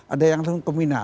ada yang langsung ke mina